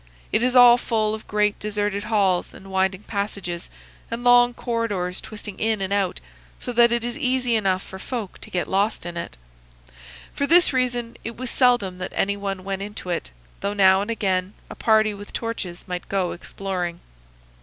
It is all full of great deserted halls, and winding passages, and long corridors twisting in and out, so that it is easy enough for folk to get lost in it. For this reason it was seldom that any one went into it, though now and again a party with torches might go exploring.